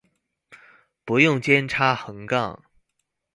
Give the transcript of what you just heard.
不用兼差斜槓